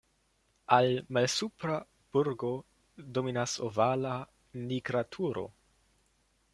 Al "Malsupra burgo" dominas ovala "Nigra turo".